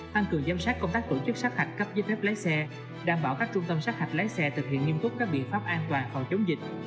tăng cường giám sát công tác tổ chức sát hạch cấp giấy phép lái xe đảm bảo các trung tâm sát hạch lái xe thực hiện nghiêm túc các biện pháp an toàn phòng chống dịch